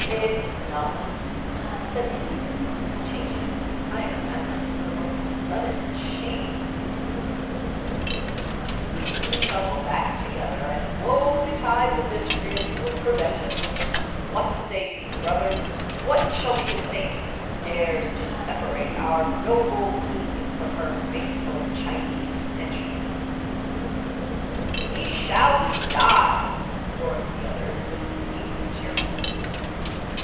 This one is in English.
"Enough," said the leader, changing his entire manner with the most sudden and shameless inconsistency. "You shall go back together, and woe betide the miscreant who would prevent it. What say you brothers? What shall be his fate who dares to separate our noble Queen from her faithful Chinese henchman?" "He shall die!" roared the others, with beaming cheerfulness.